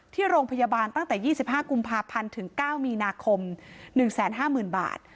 ที่โรงพยาบาลตั้งแต่๒๕กุมภาพันธ์ถึง๙มีนาคม๑๕๐๐๐บาท